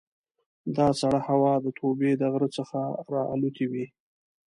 دا سړه هوا د توبې د غره څخه را الوتې وي.